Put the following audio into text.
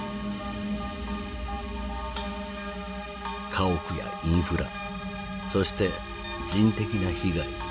家屋やインフラそして人的な被害。